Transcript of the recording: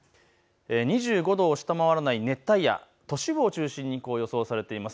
２５度を下回らない熱帯夜都市部を中心に予想されています。